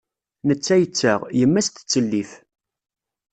Netta yettaɣ, yemma-s tettellif.